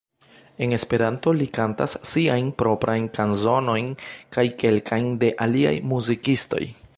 En Esperanto li kantas siajn proprajn kanzonojn kaj kelkajn de aliaj muzikistoj.